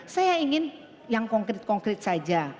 saya ingin yang konkret konkret saja